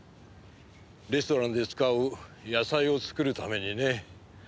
レストランで使う野菜を作るためにね。